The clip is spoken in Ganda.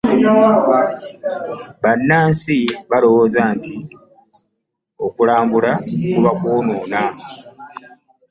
bannansi balowooza nti okulambula kuba kwonoona nsimbi.